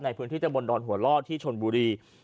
ในพื้นที่ตะบนดอนหัวล่อที่ชนบุรี